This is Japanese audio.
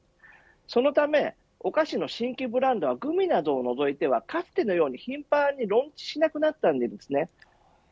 そのためお菓子の新規ブランドはグミなどを除いてはかつてのように頻繁にローンチしなくなったんです。